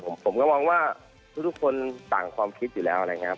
ผมก็มองว่าทุกคนต่างความคิดอยู่แล้วนะครับ